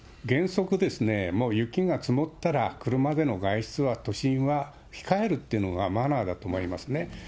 原則、雪が積もったら車での外出は都心は控えるというのが、マナーだと思いますね。